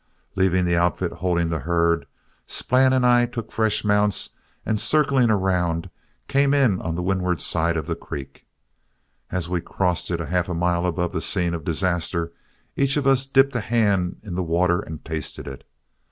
Leaving the outfit holding the herd, Splann and I took fresh mounts, and circling around, came in on the windward side of the creek. As we crossed it half a mile above the scene of disaster, each of us dipped a hand in the water and tasted it.